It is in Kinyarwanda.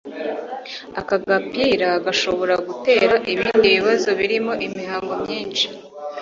aka gapira gashobora gutera ibindi bibazo birimo imihango myinshi